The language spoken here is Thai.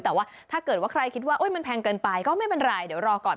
แต่ว่าถ้าเกิดว่าใครคิดว่ามันแพงเกินไปก็ไม่เป็นไรเดี๋ยวรอก่อน